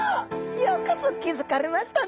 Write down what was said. よくぞ気付かれましたね！